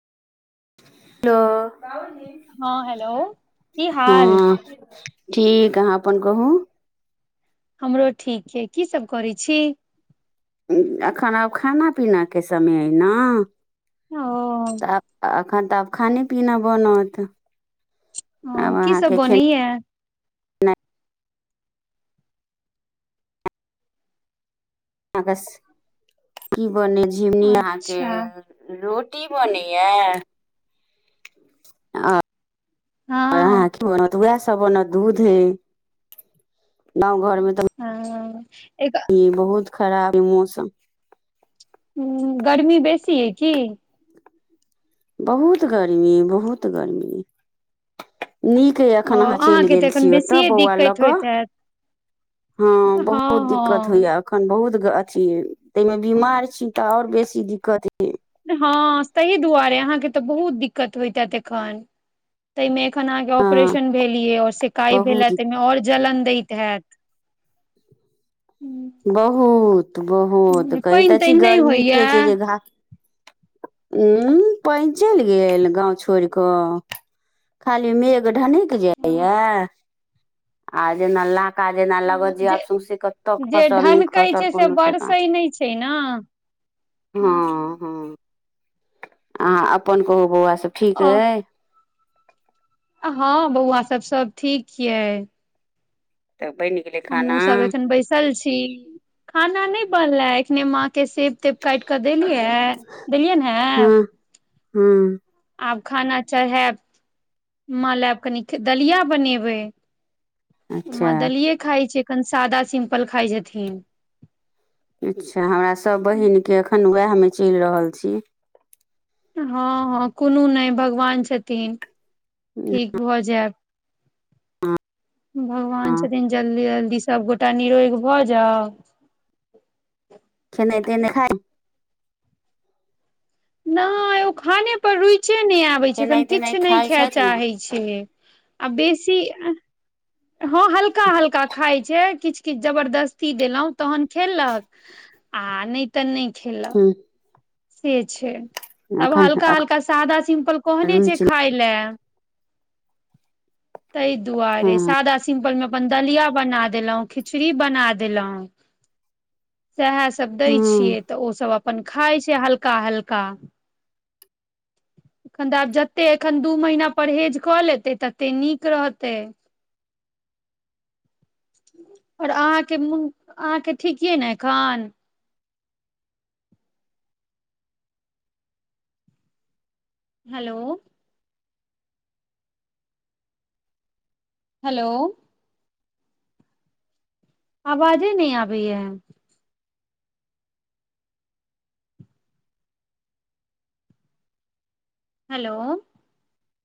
हँ हेलो की हाल [unintelligible] ठीक अहाँ अपन कहू हमरो ठीक य की सब करै छी एखन आब खाना पीना के समय अय ओ [inaudible] आब आखन तऽ आब खाने पीना बनत ह आब की सब अहाँके खेनाइ बनैया आवश्य [inaudible] कि बनि झिमनी आ के अच्छा रोटी बनैया हँ आहाके वएह सब दूध हे गांव घर मे त हँ एकः ई बहुत खराब ह मोसम ह गर्मी बेसी है कि बहुत गर्मी बहुत गर्मी नीक यइ ओ एखन अहाँ चलि अहाँके तऽ गेल एखन छी ओतय बेसिए बौआ लऽ दिक्कत कऽ होइत हैत हँ बहुत दिक्कत होय या अखन बहुत अथी तहिमे बीमार छी तऽ आओर बेसी दिक्कत हँ ताहि दुआरे अहाँके तऽ बहुत दिक्कत होइतत एखन ताहिमे एखन अहाँके हँ ऑपरेशन भेलियै आऔर शिकाई भेल बहुत हे तामे दिक्कत और जलन दैत हैत हू बहुत बहुत कही पानि तऽ तानि छी नहि गर्मी होइया एते छै जे घात उ पाइन चलि गेल गाँव छोड़ कऽ खाली मेघ ढनीक जाइया आ जेना लाका जेना लागत जब जे सौसी कतो जे ढनककै छै से बरसै नहि छै ना हँ हँ अहाँ अपन कहू बौआ सब ठीक ओ एय हँ बौआ सब सब ठीक य तऽ बनि गेलै खाना हमहुँ सब एखन बैसल छी खाना नहि बनले एखने माँ के से प काट कऽ देलियै देलियैन हहे हँ हँ आब खाना चढैयब माँ लय आब कनि दलिया बनेबै माँ अच्छा दलिये खााय छै एखन सादा सिम्पल खााय छथिन अच्छा हमरा सभ बहिनके एखन ओहमे चलि रहल छि हँ हँ कोनो नहि भगवान छथिन ठीक भऽ जायत भगवान हँ छथिन जल्दी जल्दी सभगोटा निरोग भऽ जाउ खेना तेने नहि खाय नय ओ खाने पर रुचे नहि आबे छै एखन खेनाइ तेनाइ किछु नहि खाइ खाय छथि चाहे ने छै बैसी हलका हल्का खाय छै कि जबरदस्ती देलौं तहन खेललक आ नहि तऽ नहि खेलक से छै तब एखन हल्का एखन हल्का सादा सिम्पल कहने छै रुचि खााय लय तय दुआरे हँ सादा सिम्पल मे अपन दलिया बना देलहुं खिचड़ी बना देलहुं सेहे सभ दै हँ छियै तऽ ओसभ अपन खाइ छै हल्का हल्का एखन तऽ आब जते एखन दू महीना परहेज कऽ लेते तत्ते निक रहतै आउर अहाँके मुंह अहाँके ठीक ये ने एखैन हैलौ हैलो आवाजे ने आबै या हैलो